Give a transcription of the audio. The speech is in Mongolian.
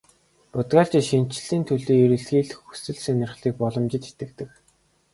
Бодгальчид шинэчлэлийн төлөө эрэлхийлэх хүсэл сонирхлын боломжид итгэдэг.